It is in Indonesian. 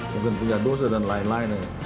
mungkin punya dosa dan lain lain